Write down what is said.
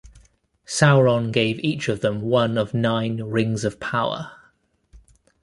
Sauron gave each of them one of nine Rings of Power.